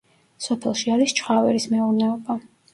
სოფელში არის ჩხავერის მეურნეობა.